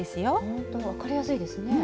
ほんと分かりやすいですね。